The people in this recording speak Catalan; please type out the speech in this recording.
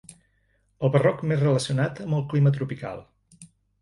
El barroc més relacionat amb el clima tropical.